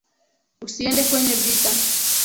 Usiende kwenye vita